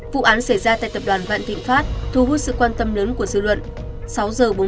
vụ án xảy ra tại tập đoàn vạn thịnh pháp thu hút sự quan tâm lớn của dư luận